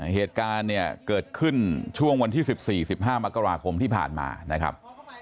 เหตุการณ์เนี่ยเกิดขึ้นช่วงวันที่๑๔๑๕มกราคมที่ผ่านมานะครับ